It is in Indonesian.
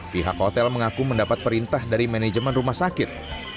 pihak hotel mengaku mendapat perintah dari manajemen rumah sakit